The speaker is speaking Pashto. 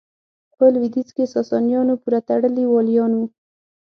په لوېدیځ کې ساسانیانو پوره تړلي والیان وو.